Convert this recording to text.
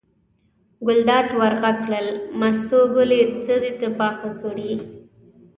ګلداد ور غږ کړل: مستو ګلې څه دې پاخه کړي.